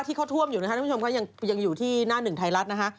ที่เขาท่วมอยู่นะครับท่านผู้ชมก็ยังอยู่ที่หน้าหนึ่งไทยรัฐนะฮะ